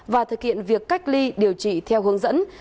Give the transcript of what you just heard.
và thực hiện việc cách ly điều trị theo hướng dẫn